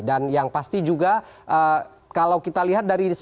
dan yang pasti juga kalau kita lihat dari situasi